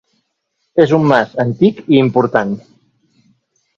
És un mas antic i important.